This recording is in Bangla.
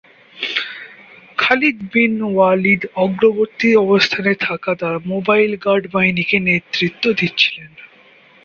খালিদ বিন ওয়ালিদ অগ্রবর্তী অবস্থানে থাকা তার মোবাইল গার্ড বাহিনীকে নেতৃত্ব দিচ্ছিলেন।